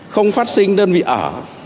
không phát sinh đơn vị ở